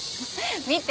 見て。